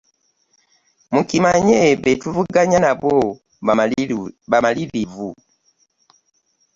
Mukimanye be tuvuganya nabo bamalirivu.